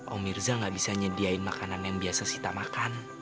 om mirza gak bisa nyediain makanan yang biasa sita makan